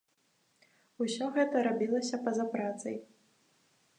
Усё гэта рабілася па-за працай.